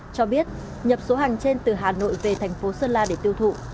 cho biết nhập số hàng trên từ hà nội về thành phố sơn la để tiêu thụ